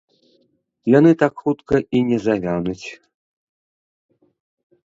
Яны так хутка і не завянуць.